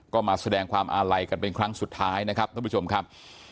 ก็มาแสดงความอาลัยกันเป็นครั้งสุดท้ายนะครับท่านผู้ชมครับ